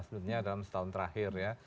sebetulnya dalam setahun terakhir ya